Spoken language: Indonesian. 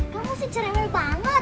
kamu sih ceremel banget